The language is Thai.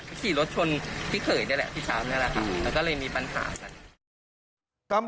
คนนี้คีย์รถชนที่เคยได้แหละพี่ชามนี่แหละค่ะ